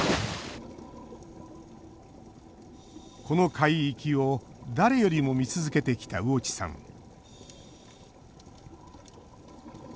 この海域を誰よりも見続けてきた魚地さん。